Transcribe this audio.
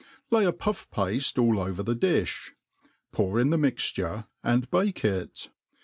Lay a puff pafte all over the difli^ ppur jn the mixture, and bake it.